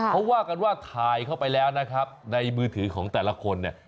เขาว่ากันว่าถ่ายเข้าไปแล้วนะครับในมือถือของแต่ละคนเนี่ย